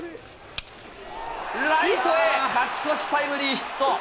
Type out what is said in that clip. ライトへ、勝ち越しタイムリーヒット。